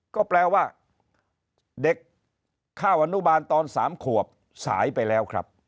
ก็แปลว่าเด็กเข้าอนุบาลตอน๓ขวบสายไปแล้วครับ